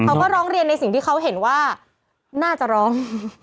เขาก็ร้องเรียนในสิ่งที่เขาเห็นว่าน่าจะร้อง